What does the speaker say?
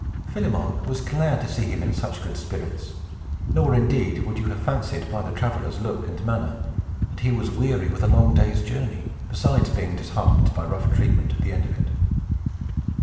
Philemon was glad to see him in such good spirits; nor, indeed, would you have fancied, by the traveler's look and manner, that he was weary with a long day's journey, besides being disheartened by rough treatment at the end of it.